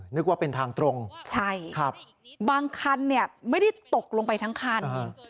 นึกว่าเป็นทางตรงใช่ครับบางคันเนี่ยไม่ได้ตกลงไปทั้งคัน